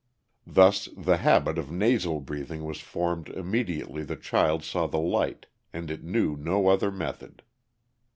Thus the habit of nasal breathing was formed immediately the child saw the light, and it knew no other method.